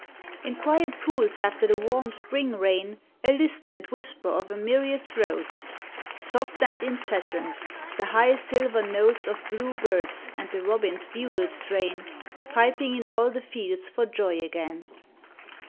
In quiet pools after the warm spring rain A lisp and Avhisper of a myriad throats, Soft and incessant,— the high silver notes Of blue birds, and the robin's bugle strain Piping in all the fields for joy again.